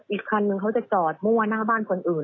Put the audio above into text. อีกคันนึงเขาจะจอดมั่วหน้าบ้านคนอื่น